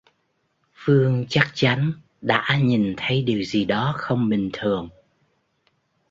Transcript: Phương chắc chắn đã nhìn thấy điều gì đó không bình thường